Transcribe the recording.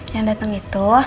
yang dateng itu